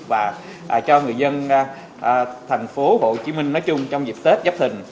và cho người dân thành phố hồ chí minh nói chung trong dịp tết dắp thình